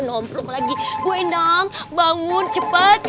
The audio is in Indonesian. noplok lagi ibu endang bangun cepat